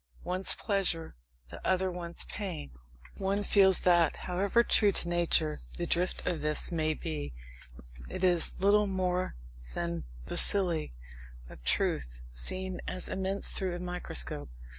One's pleasure the other one's pain. One feels that, however true to nature the drift of this may be, it is little more than bacilli of truth seen as immense through a microscope.